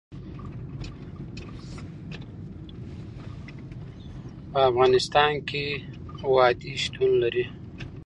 په افغانستان کې وادي شتون لري.